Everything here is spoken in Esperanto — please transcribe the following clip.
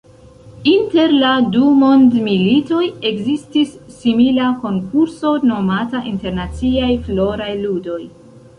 Inter la du mondmilitoj ekzistis simila konkurso nomata Internaciaj Floraj Ludoj.